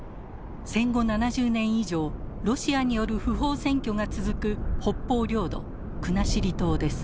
戦後７０年以上ロシアによる不法占拠が続く北方領土国後島です。